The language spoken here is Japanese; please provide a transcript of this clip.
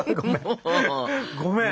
ごめん！